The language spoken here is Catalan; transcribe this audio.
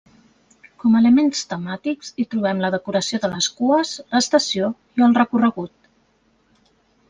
Com a elements temàtics hi trobem la decoració de les cues, l'estació i el recorregut.